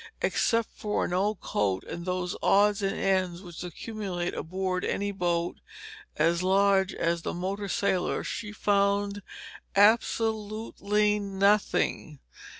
Except for an old coat and those odds and ends which accumulate aboard any boat as large as the motor sailor, she found absolutely nothing.